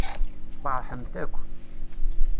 Tfeṛḥemt akk.